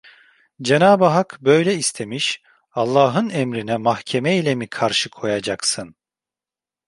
Cenabı Hak böyle istemiş, Allah'ın emrine mahkeme ile mi karşı koyacaksın?